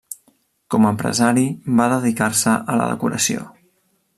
Com empresari va dedicar-se a la decoració.